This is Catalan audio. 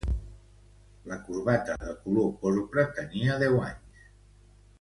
La corbata de color púrpura tenia deu anys.